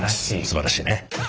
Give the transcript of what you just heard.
すばらしいね。